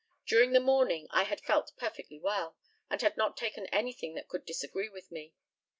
During the morning I had felt perfectly well, and had not taken anything that could disagree with me.